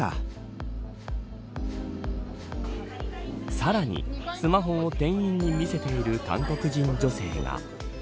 さらにスマホを店員に見せている韓国人女性が。